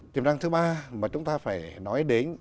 tiềm năng thứ ba mà chúng ta phải nói đến